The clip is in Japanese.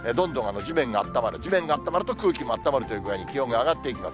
地面があったまると、空気もあったまるという具合に、気温が上がっていきます。